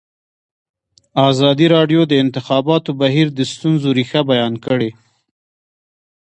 ازادي راډیو د د انتخاباتو بهیر د ستونزو رېښه بیان کړې.